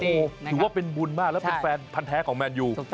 ถือว่าเป็นบุญมากแล้วเป็นแฟนแท้ของแมนยู